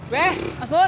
weh mas pur